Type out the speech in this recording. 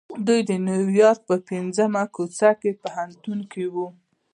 دوی د نيويارک د پنځمې کوڅې په پوهنتون کې وو.